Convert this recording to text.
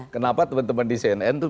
kenapa teman teman di cnn itu